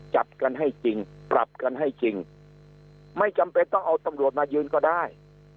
จับกันให้จริงปรับกันให้จริงไม่จำเป็นต้องเอาตำรวจมายืนก็ได้